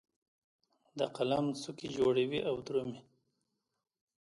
د قلم څوکې جوړوي او درومې